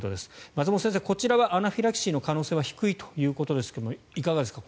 松本先生、こちらはアナフィラキシーの可能性は低いということですがいかがですか？